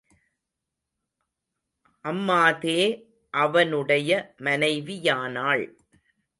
அம்மாதே அவனுடைய மனைவியானாள்.